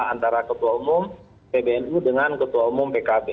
antara ketua umum pbnu dengan ketua umum pkb